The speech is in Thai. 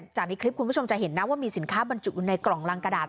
จากในคลิปคุณผู้ชมจะเห็นนะว่ามีสินค้าบรรจุอยู่ในกล่องรังกระดาษ